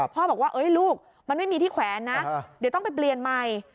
บอกว่าลูกมันไม่มีที่แขวนนะเดี๋ยวต้องไปเปลี่ยนใหม่